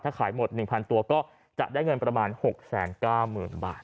ถ้าขายหมด๑๐๐ตัวก็จะได้เงินประมาณ๖๙๐๐๐บาท